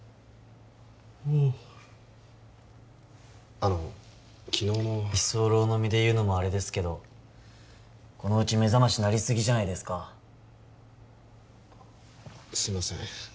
あの昨日の居候の身で言うのもあれですけどこのウチ目覚まし鳴りすぎじゃないですかすいません